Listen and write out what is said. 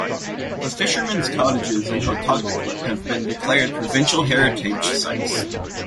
The fishermen's cottages in Hotagterklip have been declared provincial heritage sites.